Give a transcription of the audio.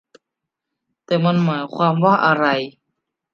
แต่มันหมายความว่าอะไร